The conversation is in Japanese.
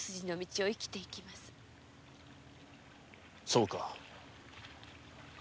そうか。